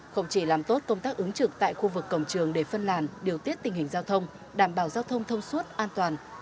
không chỉ làm tốt công tác ứng trực tại khu vực cổng trường để phân làn điều tiết tình hình giao thông đảm bảo giao thông thông suốt an toàn